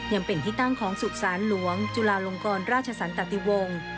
ยังเป็นที่ตั้งของสุสานหลวงจุลาลงกรราชสันตติวงศ์